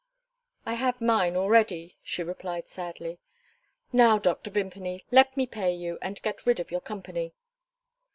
"I have mine already," she replied sadly. "Now, Dr. Vimpany, let me pay you, and get rid of your company."